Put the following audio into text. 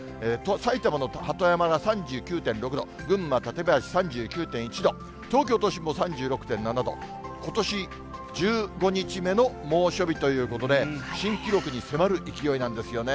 埼玉の鳩山が３９．６度、群馬・館林３９．１度、東京都心も３６．７度、ことし１５日目の猛暑日ということで、新記録に迫る勢いなんですよね。